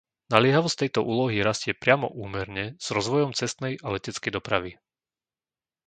Naliehavosť tejto úlohy rastie priamo úmerne s rozvojom cestnej a leteckej dopravy.